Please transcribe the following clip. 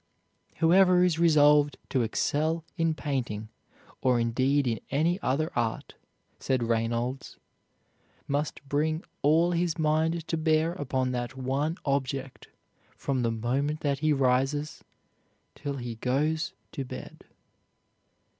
"Whoever is resolved to excel in painting, or, indeed, in any other art," said Reynolds, "must bring all his mind to bear upon that one object from the moment that he rises till he goes to bed."